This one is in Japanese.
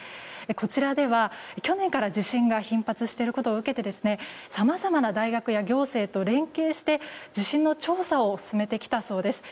こちらでは去年から地震が頻発していることを受けてさまざまな大学や行政と連携して地震の調査を進めてきたそうです。